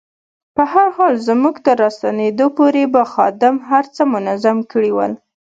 په هر حال زموږ تر راستنېدا پورې به خادم هر څه منظم کړي ول.